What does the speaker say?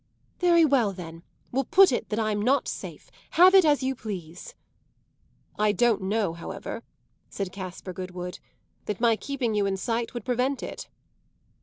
"Very well then. We'll put it that I'm not safe. Have it as you please." "I don't know, however," said Caspar Goodwood, "that my keeping you in sight would prevent it."